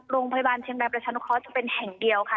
โรงพยาบาลเชียงรายประชานุเคราะห์จะเป็นแห่งเดียวค่ะ